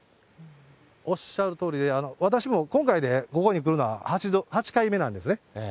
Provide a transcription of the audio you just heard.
おっしゃるとおりで、私も今回でここに来るのは８回目なんですね。